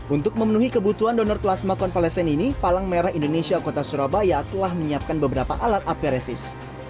untuk memenuhi kebutuhan donor plasma konvalesen ini palang merah indonesia kota surabaya telah menyiapkan beberapa alat apresis